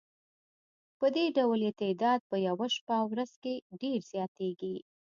پدې ډول یې تعداد په یوه شپه او ورځ کې ډېر زیاتیږي.